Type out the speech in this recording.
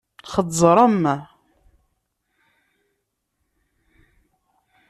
Xeẓẓṛem!